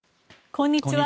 こんにちは。